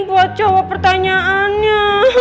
buat jawab pertanyaannya